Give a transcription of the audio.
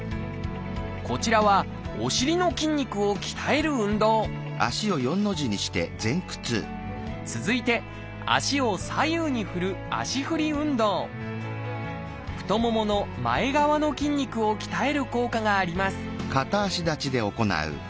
こちらはお尻の筋肉を鍛える運動続いて足を左右に振る太ももの前側の筋肉を鍛える効果があります